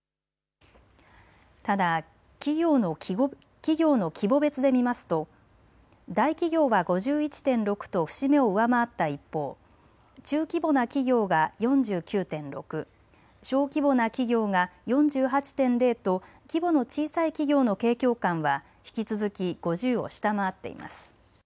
ただ、企業の規模別で見ますと大企業は５１．６と節目を上回った一方、中規模な企業が４９．６、小規模な企業が４８．０と規模の小さい企業の景況感は引き続き５０を下回っています。